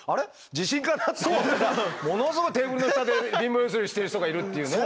地震かな！？」って思ったらものすごいテーブルの下で貧乏ゆすりしてる人がいるっていうね。